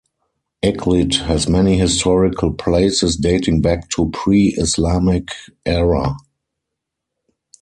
Eghlid has many historical places dating back to pre-Islamic era.